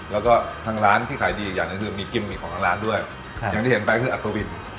แล้วก็ทางร้านที่ขายดีอีกอย่างหนึ่งคือมีกิมมิกของทางร้านด้วยอย่างที่เห็นไปคืออัศวิน